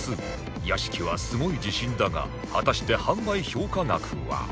屋敷はすごい自信だが果たして販売評価額は？